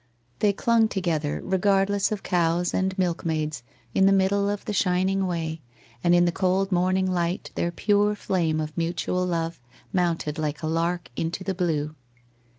They clung together, regardless of cows and milkmaids, in the middle of the shining way, and in the cold morn ing light their pure flame of mutual love mounted like a lark into the blue.